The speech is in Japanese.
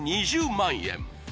２０万円